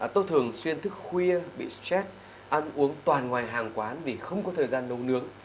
tôi thường xuyên thức khuya bị stress ăn uống toàn ngoài hàng quán vì không có thời gian nấu nướng